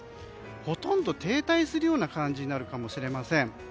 ほとんど停滞するような感じになるかもしれません。